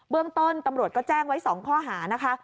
เรื่องต้นตำรวจก็แจ้งไว้๒ข้อหานะคะ